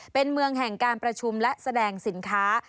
เป็นเมืองแห่งการประชุมและแสดงสินค้า